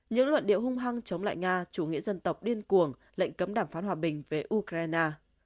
những luận điệu hung hăng chống lại nga chủ nghĩa dân tộc điên cuồng lệnh cấm đàm phán hòa bình về ukraine